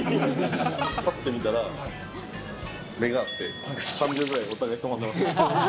ぱって見たら、目が合って、３秒ぐらいお互い止まってました。